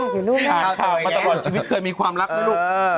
อ่านข่าวมาตลอดชีวิตเคยมีความรักไหมลูก